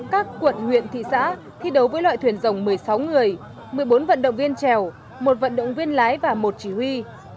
các quận huyện thị xã thi đấu với loại thuyền dòng một mươi sáu người một mươi bốn vận động viên trèo một vận động viên lái và một chỉ huy